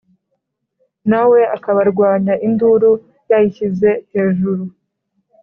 nawe akabarwanya induru yayishyize hejuru